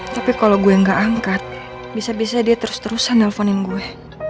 tapi kalau gue yang gak angkat bisa bisa dia terus terusan nelfonin gue